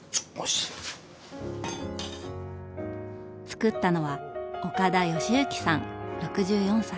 つくったのは岡田吉之さん６４歳。